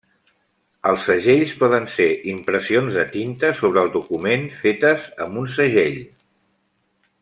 Els segells poden ser impressions de tinta sobre el document fetes amb un segell.